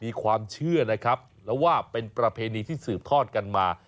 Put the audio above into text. มีความเชื่อนะครับแล้วว่าเป็นประเพณีที่สืบทอดกันมา